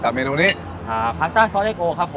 ขอบคุณนะครับ